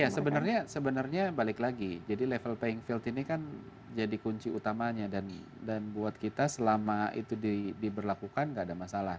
ya sebenarnya balik lagi jadi level paying field ini kan jadi kunci utamanya dan buat kita selama itu diberlakukan gak ada masalah